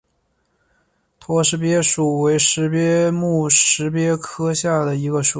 驼石鳖属为石鳖目石鳖科下的一个属。